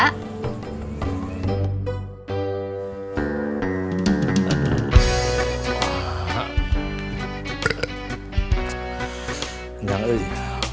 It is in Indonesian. kenceng aja sih